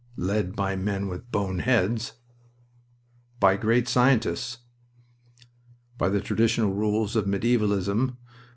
"Led by men with bone heads." "By great scientists." "By the traditional rules of medievalism.